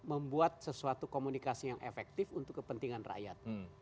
membuat sesuatu komunikasi yang efektif untuk kepentingan rakyat